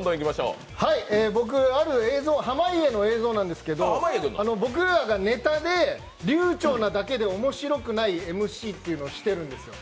僕、濱家の映像なんですけど僕らがネタで流ちょうなだけでおもしろくないＭＣというのをしてるんですよ。